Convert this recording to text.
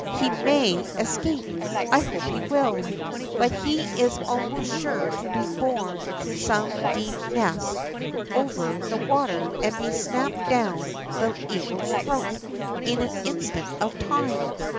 He may escape. I hope he will. But he is almost sure to be borne to some deep nest over the 30 THE ROCK FROG water and be snapped down the eagle's throat in an instant of time.